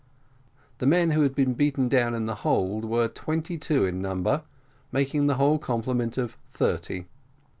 The men who had been beaten down in the hold were twenty two in number, making the whole complement of thirty.